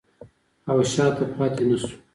او شاته پاتې نشو.